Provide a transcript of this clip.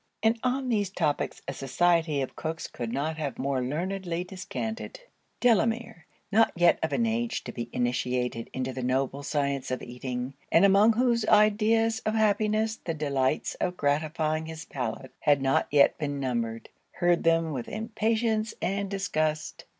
And on these topics a society of cooks could not have more learnedly descanted. Delamere, not yet of an age to be initiated into the noble science of eating, and among whose ideas of happiness the delights of gratifying his palate had not yet been numbered, heard them with impatience and disgust.